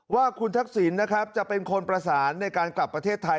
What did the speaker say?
ว่าคุณทักษิณนะครับจะเป็นคนประสานในการกลับประเทศไทย